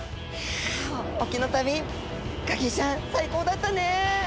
隠岐の旅ガキィちゃん最高だったね！